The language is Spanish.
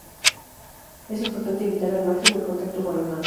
Es importante evitar al máximo el contacto con las manos.